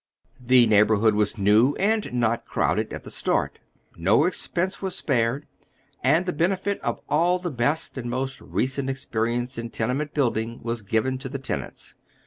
The neigh borhood was new and not crowded at the start. No ex pense was spared, and the benefit of all the best and most recent experience in tenement building was given to the tenants.